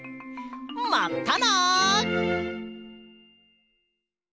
まったな！